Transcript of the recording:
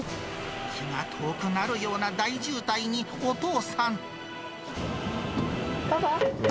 気が遠くなるような大渋滞に、パパ！